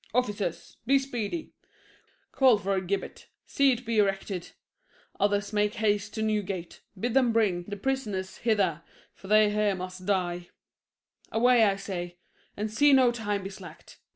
] Officers, be speedy; Call for a gibbet, see it be erected; Others make haste to Newgate, bid them bring The prisoners hither, for they here must die: Away, I say, and see no time be slacked.